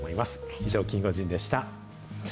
以上、キンゴジンでした。